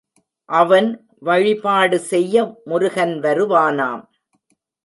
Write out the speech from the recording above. அவன் வழிபாடு செய்ய முருகன் வரு வானாம்.